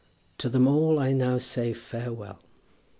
To them all I now say farewell.